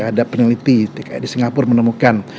ada peneliti di singapura menemukan